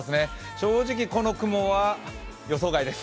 正直、この雲は予想外です。